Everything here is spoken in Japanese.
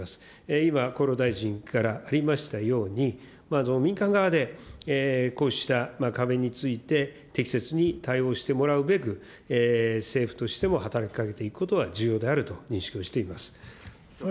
今、厚労大臣からありましたように、民間側でこうした壁について、適切に対応してもらうべく、政府としても働きかけていくことは重要であると認識をしています。